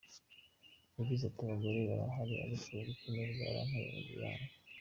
Yagize ati "Abagore barahari ariko ubukene bwaranteye biranga.